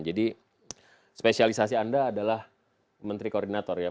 jadi spesialisasi anda adalah menteri koordinator ya pak